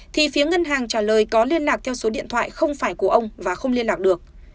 thì phía ngân hàng trả lời có liên lạc theo số điện thoại không phải của ông và không liên lạc được